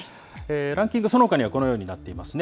ランキング、そのほかはこのようになってますね。